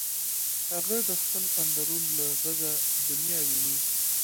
هغه د خپل اندرون له غږه دنیا ویني